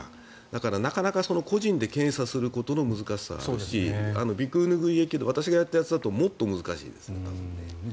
だからなかなか、個人で検査することの難しさもあるし私がやった鼻腔拭いだともっと難しいですね。